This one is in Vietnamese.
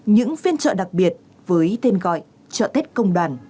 những phiên trợ đặc biệt với tên gọi chợ tết công đoàn